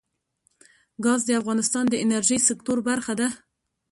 ګاز د افغانستان د انرژۍ سکتور برخه ده.